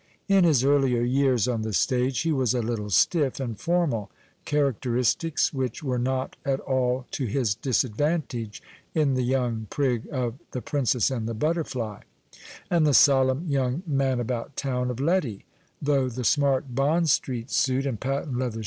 In his earlier years on the stage he was a little stiff and formal — characteristics which were not at all to his disadvantage in the young prig of The Princess and the Bulterjhj and the solemn young man about town of Letty (though the smart l^ond Street suit IGS II. B. IRVING and patent leatlier